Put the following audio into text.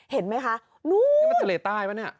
เห็นไหมคะนู้นนี่มันทะเลใต้ปะเนี่ย